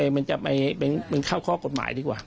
มันจะมันเข้าข้อกฎหมายดีกว่า